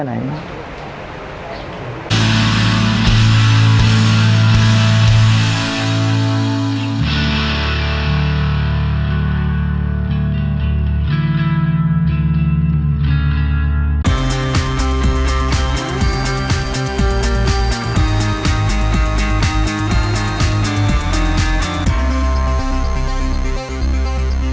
สวัสดีครับ